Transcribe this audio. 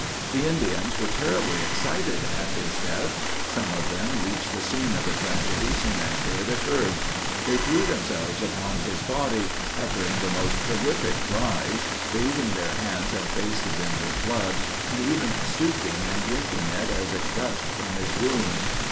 The Indians were terribly excited at his death. Some of them reached the scene of the tragedy soon after it occurred. They threw themselves upon his body, uttering the most terrific cries, bathing their hands and faces in his blood, and even stooping and drinking it, as it gushed from his wounds.